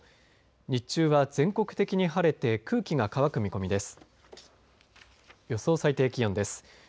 日中は全国的に晴れて空気が乾く見込みです。